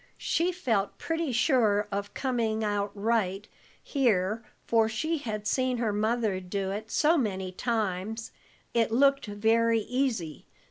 She felt pretty sure of coming out right, here, for she had seen her mother do it so many times, it looked very easy.